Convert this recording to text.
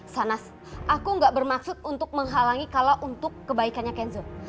sanas aku gak bermaksud untuk menghalangi kalau untuk kebaikannya kenzo